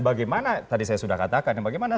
bagaimana tadi saya sudah katakan bagaimana